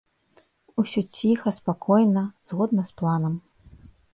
Усё ціха, спакойна, згодна з планам.